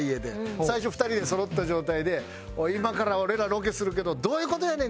最初２人でそろった状態で「今から俺らロケするけどどういう事やねん！